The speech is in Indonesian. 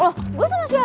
loh gue sama siapa